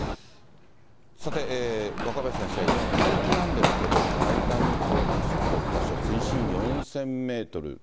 さて、若林先生、この海域なんですけど、タイタニック号の沈没場所、水深４０００メートル。